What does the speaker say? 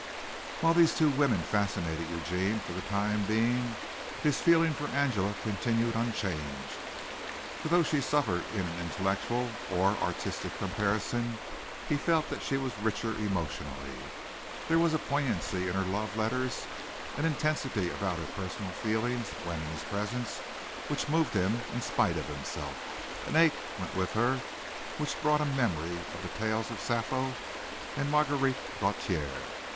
While these two women fascinated Eugene for the time being, his feeling for Angela continued unchanged; for though she suffered in an intellectual or artistic comparison, he felt that she was richer emotionally. There was a poignancy in her love letters, an intensity about her personal feelings when in his presence which moved him in spite of himself an ache went with her which brought a memory of the tales of Sappho and Marguerite Gautier.